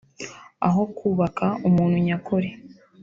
aho kubaka umuntu nyakuri